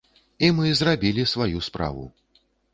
І мы зрабілі сваю справу.